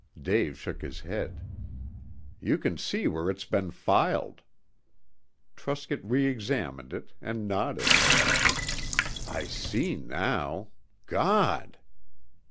Dave shook his head. "You can see where it's been filed." Truscott reexamined it and nodded. "I see now. God!"